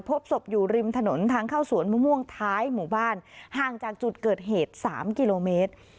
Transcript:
พบศพอยู่ริมถนนทางเข้าสวนมะม่วงท้ายหมู่บ้านห่างจากจุดเกิดเหตุ๓กิโลเมตร